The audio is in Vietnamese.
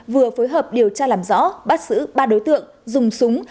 vừa phối hợp điều tra làm rõ bắt xử ba đối tượng dùng súng